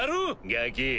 ガキ。